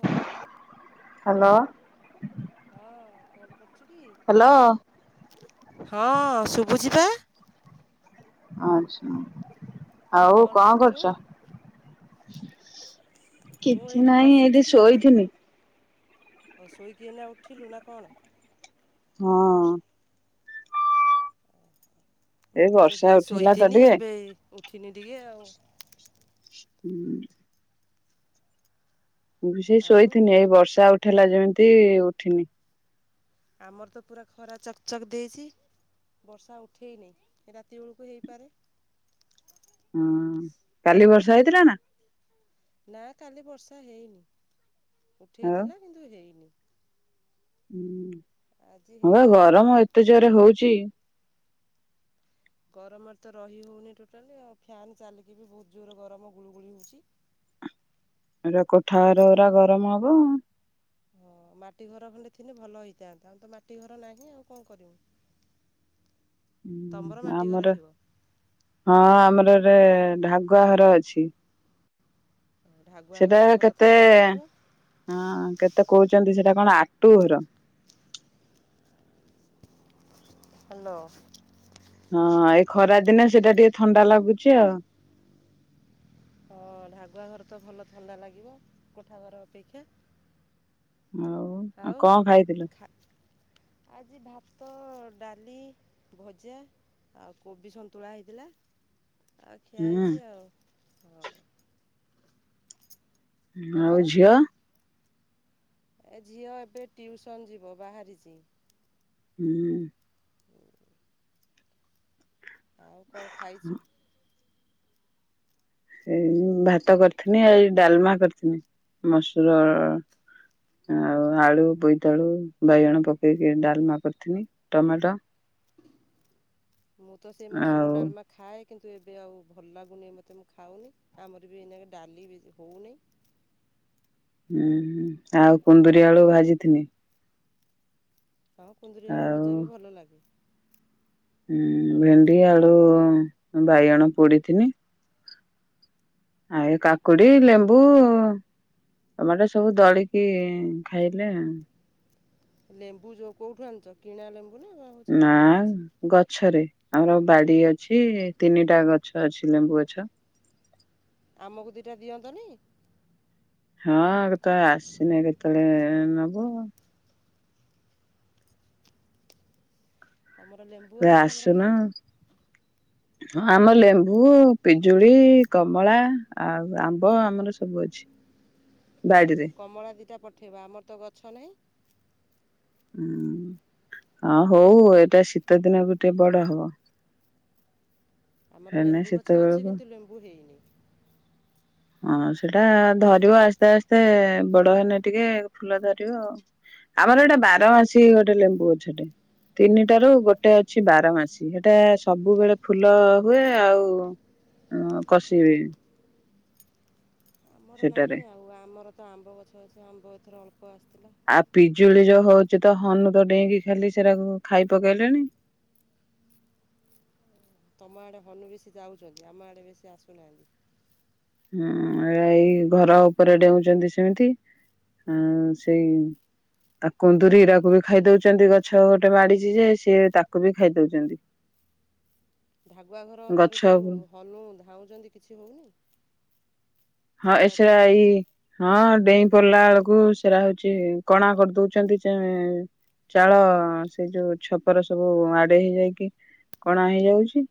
ଓ [unintelligible] ହଁ କଣ କରୁ କରୁଚୁ କି? ହ୍ୟାଲୋ ହଁ ଶୁଭୁ ଯିବା। ଆଚ୍ଛା। ଆଉ କଣ କରୁଚ? [unintelligible] ମୁଁ କିଛି ଏଇଠି ନାହିଁ ଏଇଠି ଶୋଇଥିନି। ଓ ଶୋଇକି ଏଇନା ଉଠିଲୁ ନା କଣ? ହଁ। ଏଇ ମୁଁ ତ ଏ ବର୍ଷା ସେଇ ଉଠେଇଲା ତ ଶୋଇଥିନି ଟିକେ ଏବେ ଉଠିନି ଟିକେ ଆଉ। ହୁଁ। ମୁଁ ବି ସେଇ ଆଉ ଶୋଇଥିନି ଏଇ ବର୍ଷା ଉ ଉଠେଇଲା ଯେମିତି ଉଠିନି। ଆମର ତ ପୁରା ଖରା ଚକ୍ ଚକ୍ ଦେଇଚି, ବର୍ଷା ଉଠେଇନି, ରାତି ବେଳକୁ ହେଇପାରେ। ହୁଁ କାଲି ବର୍ଷା ହେଇଥିଲା ନା? ନା କାଲି ବର୍ଷା ହେଇନି। ଉଠେଇ ଥିଲା କିନ୍ତୁ ହେଇନି। ହୁଁ। ଆଜି ହଁ ବା ହେଇପାରେ। ଗରମ ଏତେ ଯୋରେ ହଉଚି। ଗରମରେ ତ ରହି ହଉନି ଟୋଟାଲି ଆଉ, ଫ୍ୟାନ ଚାଲିକି ବି ବହୁତ ଯୋର ଗରମ ଗୁଳୁଗୁଳି ହଉଛି। ଏରା କୋଠାଘର ଗୁରା ଗରମ ହବ ଆଉ। ହଁ ମାଟି ଘର ଖଣ୍ଡେ ଥିଲେ ଭଲ ହେଇଥାନ୍ତା, ଆମେ ତ ମାଟି ଘର ନାହିଁ ଆଉ କଣ କରିବୁ? ତମର ଉଁ ମାଟି ଘର ଆମର ଥିବ। ହଁ ଆମର ରେ ଢାଗୁଆ ଘର ଅଛି। ଢାଗୁଆ ଘରେ ସେଟା ତ ଭଲ କେତେ ଥଣ୍ଡା ଲାଗୁଥିବ ହଁ କେତେ କହୁଛନ୍ତି ସେ ଏଟା କଣ ଆଟୁ ଘର? ହାଲୋ। ହଁ ଏଇ ଖରା ଦିନେ ସେଇଟା ଟିକେ ଥଣ୍ଡା ଲାଗୁଚି ଆଉ। ହଁ ଢାଗୁଆଘର ତ ଭଲ ଥଣ୍ଡା ଲାଗିବ। କୋଠା ଘର ଅପେକ୍ଷା। ଆଉ ଆଉ କଣ ଖାଇଥିଲୁ? ଖା ଆଜି ଭାତ ଡାଲି, ଭଜା ଆଉ କୋବି ସନ୍ତୁଳା ହେଇଥିଲା। ଆଉ ଖିଆ ହୁଁ ହେଇଚି ଆଉ। ହ। ଆଉ ଝିଅ? ଏ ଝିଅ ଏବେ ଟିଉସନ ଯିବ ବାହାରିଚି। ହୁଁ। ଆଉ କଣ ଖାଇଚୁ? ଏଇ ମୁଁ ଭାତ କରିଥିନି ଏଇ ଡାଲମା କରିଥିନି। ମସୁର ଆଉ ଆଳୁ, ବୋଇତାଳୁ, ବାଇଗଣ ପକେଇକି ଡାଲମା କରିଥିନି। ଟମାଟ ମୁଁ ତ ସେଇ ଆଉ ମସୁର ଡାଲମା ଖାଏ। କିନ୍ତୁ ଏବେ ଆଉ ଭଲ ଲାଗୁନି ମତେ ମୁଁ ଖାଉନି। ଆମର ବି ଏଇନାକେ ଡାଲି ବି ହୋଉନି। ଉଁ ହୁଁ ଆଉ କୁନ୍ଦୁରି ଆଳୁ ଭାଜିିଥିନି। ହଁ କୁନ୍ଦୁରି ଆଳୁ ଆଉ ଭଜା ବି ଭଲ ଲାଗେ। ଉଁ ଭେଣ୍ଡି, ଆଳୁ, ବାଇଗଣ ପୋଡିଥିନି। ଆଉ ଏ କାକୁଡି, ଲେମ୍ବୁ, ଟମାଟୋ ସବୁ ଦଳିକି ଖାଇଲେ ଆଉ। ଲେମ୍ବୁ ଯୋଉ କୋଉଠୁ ଆଣୁଚ? କିଣା ଲେ ନାଁ ଗଛରେ। ଆମର ବାଡି ଅଛି। ତିନିଟା ଗଛ ଅଛି ଲେମ୍ବୁ ଗଛ। ଆମକୁ ଦିଇଟା ଦିଅନ୍ତନି। ହଁ କେତେବେଳେ ଆସିନେ କେତେବେଳେ ନବ। ତମର ଲେମ୍ବୁ ଅଛି ତମର ଆସୁନ ଖାଉଚ। ହଁ ଆମର ଲେମ୍ବୁ, ପିଜୁଳି, କମଳା ଆଉ ଆମ୍ବ ଆମର ସବୁ ଅଛି ହୋଉ ବାଡିରେ। କମଳା ଦିଇଟା ପ ଠେଇବ ଆମର ତ ଗଛ ନାହିଁ। ହୁଁ ହଁ ହୋଉ ଏଟା ଶୀତ ଦିନକୁ ଟିକେ ବଡ ହବ। ଆମର ହେନେ ଲେମ୍ବୁ ଶୀତ ଗଛ ଅଛି ବେଳକୁ କିନ୍ତୁ ଲେମ୍ବୁ ହେଇନି। ହଁ ସେଟା ଧରିବ ଆସ୍ତେ ଆସ୍ତେ ବଡ ହେନେ ଟିକେ ଫୁଲ ଧରିବ। ଆଉ ଆମର ଏଟା ବାରମାସୀ ଗୋଟେ ଲେମ୍ବୁ ଗଛଟେ ତିନିଟାରୁ ଗୋଟେ ଅଛି ବାରମାସୀ ହେଟା ସବୁବେଳେ ଫୁଲ ହୁଏ ଆଉ କଷିବି। ଆମର ନାହିଁ ଆଉ ଆମର ତ ଆମ୍ବ ଗଛ ଅଛି। ଆମ୍ବ ଏଥର ଅଳ୍ପ ଆସି ଆଉ ପିଜୁଳି ଯୋଉ ହୋଉଚି ତ ହନୁ ତ ଡେଇଁକି ଖାଲି ସେରାକୁ ଖାଇ ପକେଇଲେଣି। ତମ ଆଡେ ହନୁ ବେଶୀ ଯାଉଚନ୍ତି ଆମ ଆଡେ ବେଶୀ ଆସୁନାହାନ୍ତି। ହୁଁ ଏ ଏଇ ଘର ଉପରେ ଡେଉଚନ୍ତି ସେମିତି ହଁ ସେଇ ତା କ କୁନ୍ଦୁରି ଗୁରାକ ବି ଖାଇ ଦଉସନ୍ତି ଗଛ ଗୋଟେ ମାଡିଚି ଯେ ସେ ତାକୁ ବି ଖାଇ ଦଉଚନ୍ତି। ଭାଗୁଆ ଘର ଉପରେ ଯୋଉ ହନୁ ଧାଉଁ କିଛି ହଉନି। ହଁ ଏସା ଏଇ ହଁ। ଡେଇଁ ପଡିଲା ବେଳକୁ ସେରା ହଉଛି କଣା କରିଦଉଚନ୍ତି ଚାଳ ସେ ଯୋଉ ଛପର ସବୁ ଆଡେଇ ହେଇଯାଇକି କଣା ହେଇଯାଉଚି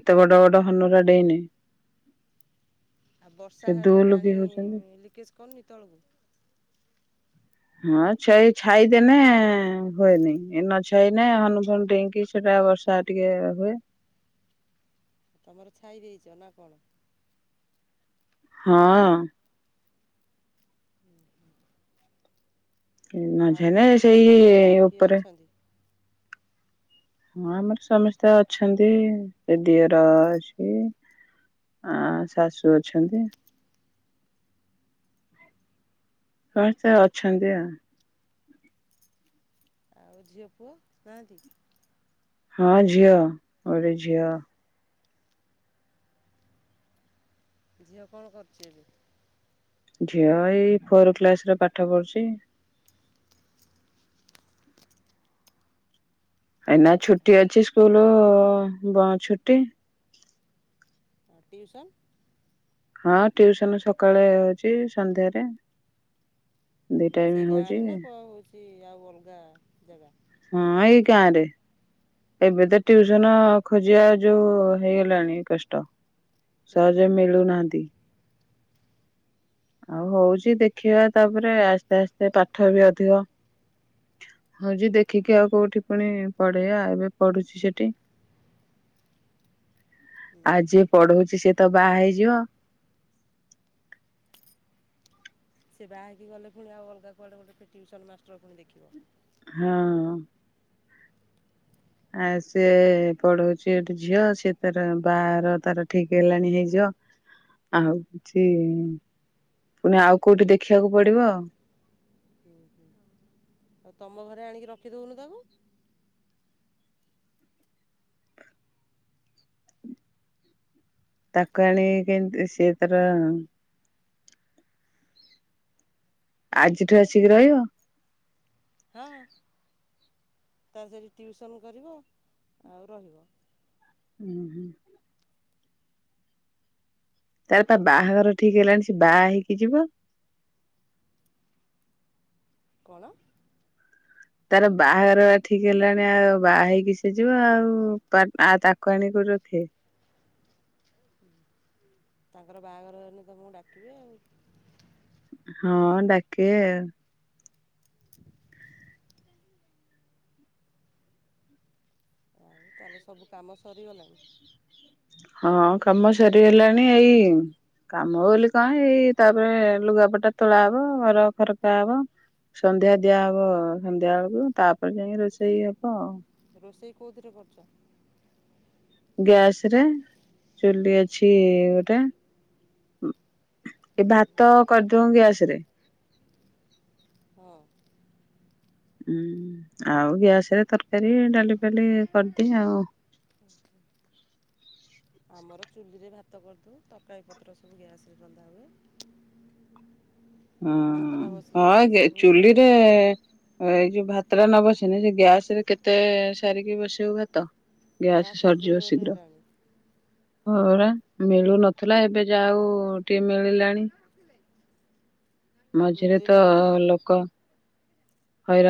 ଏତେ ବଡ ବଡ ହନୁରା ଡେଇଁଲେ। ଆଉ ବର୍ଷା ହେଲେ ପାଣି ହଉଛନ୍ତି ଲିକେଜ୍ କରୁନି ତଳକୁ? ହଁ ଛଇ ଛାଇଦେନେ ହୁଏନି ଏ ନ ଛାଇନେ ହନୁଫନୁ ଡେଇକି ସେଟା ବର୍ଷା ଟିକେ ହୁଏ। ତମର ଛାଇ ଦେଇଚ ନା କଣ? ହଁ। [inaudible] ମାଝି ଆଉ ରେ ତମ ସେଇ ଘରେ ଆଉ କିଏ ଉପରେ। ଅଛନ୍ତି ହଁ ଆମର ସମସ୍ତେ ଅଛନ୍ତି ଏ ଦିଅର ଅଛି ଆ ଶାଶୁ ଅଛନ୍ତି। ସମସ୍ତେ ଅଛନ୍ତି ଆଉ। ଆଉ ଝିଅ ପୁଅ ନାହାନ୍ତି? ହଁ ଝିଅ ଗୋଟେ ଝିଅ ଝିଅ କଣ କରୁଚି ଏବେ? ଝିଅ ଏଇ ଫୋର କ୍ଲାସ ରେ ପାଠ ପଢୁଛି। ଏନା ଛୁଟି ଅଛି ସ୍କୁଲ ବ ଛୁଟି। ଆଉ ଟିଉସନ୍? ହଁ ଟିଉସନ ସକାଳେ ହେଉଚି ସନ୍ଧ୍ୟାରେ ଉ ଦି ହୁଁ ଟାଇମ ସେଇ ଗାଁ ହଉଛି ରେ ନା ହଁ କଣ ହଉଛି? କି ଆଉ ଅଲଗା ଜାଗା? ହଁ ଏଇ ଗାଁ ରେ। ଏବେ ତ ଟ୍ୟୁସନ ଖୋଜିବା ଯୋଉ ହେଇଗଲାଣି କଷ୍ଟ। ହୁଁ ସହଯେ ମିଳୁନାହାନ୍ତି। ଆଉ ହଉଛି ଦେଖିବା ତାପରେ ଆସ୍ତେ ଆସ୍ତେ ପାଠ ବି ଅଧିକ ହଉଛି ଦେଖିକି ଆଉ କୋଉଠି ପୁଣି ପଢେଇବା ଆଉ। ଏବେ ପଢୁଚି ସେଠି। ହୁଁ ଆଉ ଯିଏ ପଢଉଚି ସିଏ ତ ବାହା ହେଇଯିବ। ସେ ବାହା ହେଇକି ଗଲେ ପୁଣି ଆଉ ଅଲଗା କୁଆଡେ ଗୋଟେ ଟିଉସନ ମାଷ୍ଟର ପୁଣି ଦେଖିବ। ହଁ। ଆ ସିଏ ପଢଉଛି ଏଠି ଝିଅ ସିଏ ତାର ବା ର ତାର ଠିକ ହେଲାଣି ହେଇଯ ଆଉ କିଛି ପୁଣି ଆଉ କୋଉଠି ଦେଖିବାକୁ ପଡିବ ଆ। ହୁଁ ଆଉ ତମ ଘରେ ଆଣିକି ରଖିଦଉନୁ ତାକୁ? ତାକୁ ଆଣ କେମତି ସିଏ ତାର ଆଜିଠୁ ଆସିକି ରହିବ। ହଁ ତା ସେଠ ଟିଉସନ୍ କରିବ ଆଉ ରହିବ। ହୁଁ ହୁଁ। ତାର ପା ବାହାଘର ଠିକ ହେଲାଣି ସେ ବାହା ହେଇକି ଯିବ। କଣ? ତାର ବାହାଘର ଠିକ୍ ହେଲାଣି ଆଉ ବାହା ହେଇକି ସେ ଯିବ ଆଉ ଆ ତାକୁ ଆଣିକି କୋଉଠି ରଖିବେ? ତାଙ୍କର ବାହାଘର ହେଲେ ତମକୁ ଡାକିବେ ଆଉ। ହଁ ଡାକିବେ ଆଉ। ତାହେଲେ ସବୁ କାମ ସରିଗଲାଣି। ହଁ। କାମ ସରିଗଲାଣି ଏଇ କାମ ବୋଲି କଣ ଏଇ ତାପରେ ଲୁଗାପଟା ତୋଳା ହବ ଘର ଖରକା ହବ। ସନ୍ଧ୍ୟା ଦିଆହବ ସନ୍ଧ୍ୟା ବେଳକୁ ତାପ୍ [unintelligible] ଯାଇକି ରୋଷେଇ ହବ ଆଉ। ରୋଷେଇ କେଉଁଥିରେ କରୁଛ ଗ୍ୟାସରେ ଚୁଲି ଅଛିଇ-ଇ-ଇ ଗୋଟେ। ଏ ଭାତ କରିଦଉ ଗ୍ୟାସରେ। ହୁଁ। ହୁଁ ଆଉ ଗ୍ୟାସରେ ତରକାରୀ ଡାଲି। ଡାଲି କରିଦିଏ ଆଉ। ଆମର ଚୁଲିରେ ଭାତ କରିଦଉ ତରକାରିପତ୍ର ସବୁ ଗ୍ୟାସରେ ରନ୍ଧା ହୁଏ। ଭାତଟା ହୁଁ-ଉଁ-ଉଁ ବସିଲେ ହଁ ଗ୍ୟାସରେ ବହୁତ ସମୟ ଚୁଲିରେ ଲାଗିବ ଏଇ ଯୋଉ ଭାତ୍ [unintelligible] ନ ବସେଇନେ ସେ ଗ୍ୟାସରେ କେତେଏ-ଏ-ଏ ସାରିକି ବସେଇବୁ ଭାତ? ଗ୍ୟାସ ଗ୍ୟାସ୍ ତ ଯେଉଁ ସରିଯିବ ରେଟ୍ ଶୀଘ୍ର। ହେଲାଣି ହଁ ପରା, ମିଳୁନଥିଲା ଏବେ ଯାହେଉ ଟିକେ ମିଳିଲାଣି। ମଝିରେ ତ ମିଳିଲାଣି ଯେ ଲୋକ।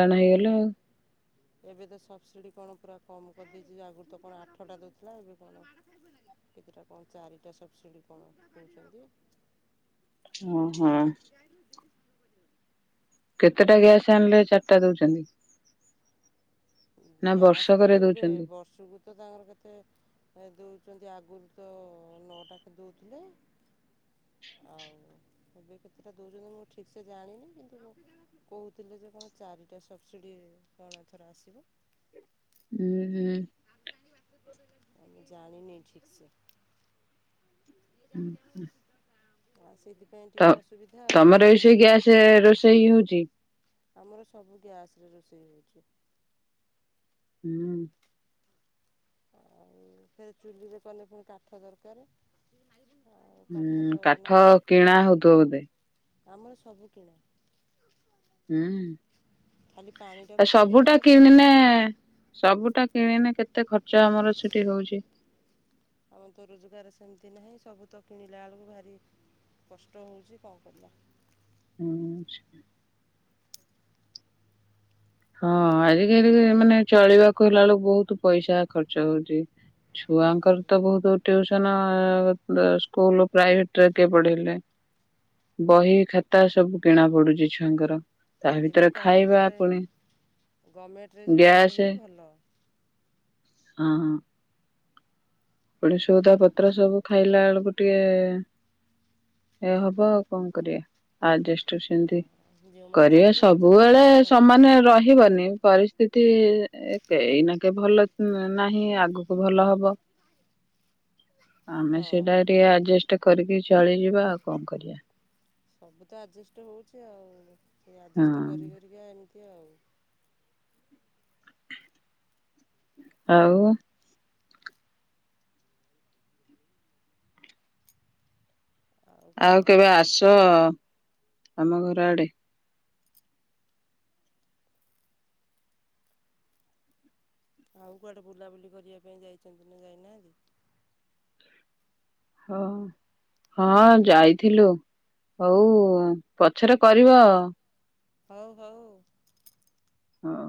ଏବେ ହେଇଗଲେ ଆଉ। ଏବେ ତ ସବସିଡି କଣ ପୁରା କମ୍ କରିଦେଇଛି ଆଗରୁ ତ କଣ ଆଠଟା ଦଉଥିଲା ଏବେ କଣ କେତେଟା କଣ ଚାରିଟା ସବସିଡି କଣ ଦଉଛନ୍ତି। ହଁ ହଁ। କେତେଟା ଗ୍ୟାସ୍ ଆଣିଲେ ଚାରିଟା ଦଉଛନ୍ତି? ନା ଗ୍ୟାସ୍ ତ ବର୍ଷକରେ ଦେବେ ଦଉଛନ୍ତି? ବର୍ଷକୁ ତ ତାଙ୍କର କେତେ ଦଉଛନ୍ତି ଆଗରୁ। ତ ନଅଟାକୁ ଦଉଥିଲେ। [inaudible] ଏବେ କେତେଟା ଦଉଛନ୍ତି ମୁଁ ଠିକସେ ଜାଣିନି, କିନ୍ତୁ କହୁଥିଲେ ଯେ କଣ ଚାରିଟା ସବସିଡି କଣ ଏଥର ଆସିବ। ହୁଁ ହୁଁ। ଆଉ ମୁଁ ଜାଣିିନି ଠିକ୍ ସେ। ହୁଁ ହୁଁ। ହାଁ ସେଇ [inaudible] ତ, ତମର ବି ସେଇ ଗ୍ୟାସରେ ରୋଷେଇ ହଉଛି? ଆମର ସବୁ ଗ୍ୟାସରେ ରୋଷେଇ ହଉଛି। ହୁଁ। ଆଉ ଏଥିରେ ଚୁଲିରେ କଲେ ପୁଣି କାଠ ଦରକାର। ଆଉ କାଠ ତ ହୁଁ କାଠ ନାହିଁ। କିଣା ହଉଥିବ ବୋଧେ? ଆମର ସବୁ କିଣା। ହୁଁ ଉଁ। ଖାଲି ଆ ପାଣିଟାକୁ ଛାଡ଼ିକି ସବୁଟା ଆଉ ସବୁ କିଣିନେ ହିଁ କିଣା। ସବୁଟା କିଣିନେ କେତେ ଖର୍ ଚ ଆମର ସେଠି ହଉଛି। ଆମର ତ ରୋଜଗାର ସେମିତି ନାହିଁ ସବୁ ତ କିଣିଲା ବେଳକୁ ଭାରି କଷ୍ଟ ହଉଛି କଣ କରିବା। ହୁଁଉ-ଉ‌ ଛୁ। ହଁ ଆଜିକାଲି ମାନେ ଚଳିବାକୁ ହେଲା ବେଳକୁ ବହୁତ ପଇସା ଖର୍ଚ୍ଚ ହଉଛି, ଛୁଆଙ୍କର ତ ବହୁତ ଟିଉସନ ଅ-ଅ-ଅ ସ୍କୁଲ୍ ପ୍ରାଇଭେଟରେ କିଏ ପଢେଇଲେ, ବହି ଖାତା ସବୁ କିଣା ପଡୁଛି ଛୁଆଙ୍କର। ତାହା ଭିତରେ ଖାଇବା ପୁଣି ଗମେଣ୍ଟରେ ଯଦି ପଢ଼େଇିବେ ଭଲ ହବ। ଅଁ ହଁ। ପୁଣି ସଉଦା ପତ୍ର ସବୁ ଖାଇଲା ବେଳକୁ ଟିକେ ଏ ହବ ଆଉ କଣ କରିବା ଆଯେଷ୍ଟ ସେମିତି ହଁ ଯେଉଁମାନେ କରିବା ଚାକିରି କରିଛନ୍ତି ସବୁବେଳେ ତାଙ୍କର ଭଲ ସମାନେ ରହିବନି ପରିସ୍ଥିତି କେ ଏଇ ନା କେ ଭଲ ମ୍ ନାହିଁ ଆଗକୁ ଭଲ ହବ। ଆମେ ହଁ ସେଇଟା ଟିକେ ଆଜେଷ୍ଟ କରିକି ଚଳିଯିବା ଆଉ କଣ କରିବା। ସବୁ ତ ଆଯେଷ୍ଟ ହଉଚି ଆଉ। ସେ ଆଯେଷ୍ଟ କରି ହଁ କରି କରିକା ତି ଆଉ ଆଉ ଆଉ କେବେ ଆସ। ଆମ ଘର ଆଡେ। ଆଉ କୁଆଡେ ବୁଲାବୁଲି କରିବା ପାଇଁ ଯାଇନ୍ତି ନା ଯାଇନାହାନ୍ତି? ହଁ ହଁ ଯାଇଥିଲୁ ହୋଉ ପଛରେ କରିବ। ହୋଉ ହୋଉ। ହଁ।